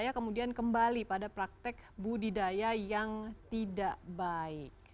supaya kemudian kembali pada praktek budidaya yang tidak baik